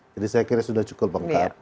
jadi saya kira sudah cukup lengkap